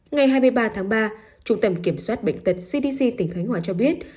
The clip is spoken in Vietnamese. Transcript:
ngày hai mươi ba tháng ba trung tâm kiểm soát bệnh tật cdc tỉnh khánh hòa cho biết